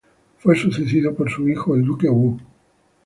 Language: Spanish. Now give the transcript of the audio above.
Fue sucedido por su hijo, el Duque Wu.